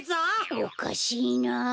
おかしいなあ。